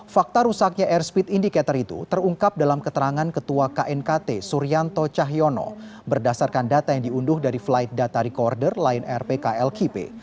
fakta rusaknya airspeed indicator itu terungkap dalam keterangan ketua knkt suryanto cahyono berdasarkan data yang diunduh dari flight data recorder lion air pkl kipe